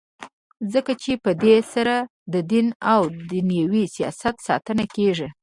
ځکه چي په دی سره ددین او دینوي سیاست ساتنه کیږي.